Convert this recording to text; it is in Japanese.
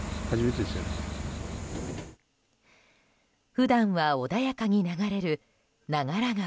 普段は穏やかに流れる名柄川。